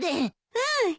うん！